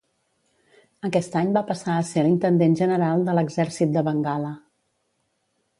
Aquest any va passar a ser l'Intendent General de l'Exèrcit de Bengala.